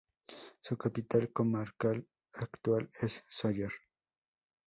Su capital comarcal actual es Sóller.